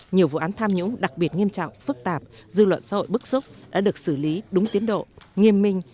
nhiều vụ án tham nhũng đặc biệt nghiêm trọng phức tạp dư luận xã hội bức xúc đã được xử lý đúng tiến độ nghiêm minh